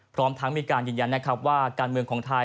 พร้อมทั้งมีการยืนยันนะครับว่าการเมืองของไทย